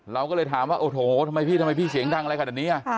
เราก็เลยถามว่าโอ้โธทำไมพี่เสียงดังอะไรกันอันนี้